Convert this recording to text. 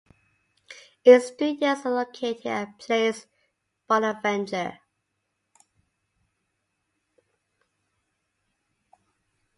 Its studios are located at Place Bonaventure.